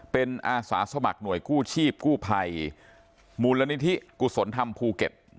เป็นอาสาสมัครหน่วยกู้ชีพกู้ภัยมูลนิธิกุศลธรรมภูเก็ต